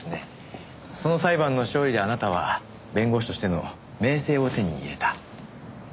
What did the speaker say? その裁判の勝利であなたは弁護士としての名声を手に入れた。